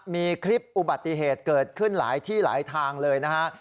มีคลิปอุบัติเหตุเกิดขึ้นหลายที่หลายทางเลยนะฮะ